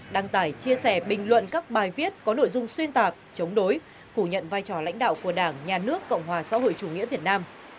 đăng tải chia sẻ bình luận các bài viết có nội dung xuyên tạc chống đối phủ nhận vai trò lãnh đạo của đảng nhà nước cộng hòa xã hội chủ nghĩa việt nam